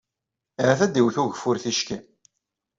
Ahat ad d-iwet ugeffur ticki.